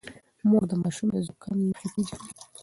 مور د ماشوم د زکام نښې پېژني.